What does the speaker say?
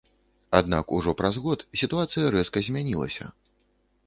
Аднак ужо праз год сітуацыя рэзка змянілася.